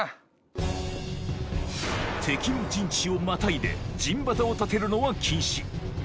敵の陣地をまたいで陣旗を立てるのは禁止